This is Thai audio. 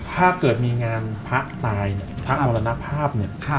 ถ้าเกิดมีงานพระตายพระมรณภาพ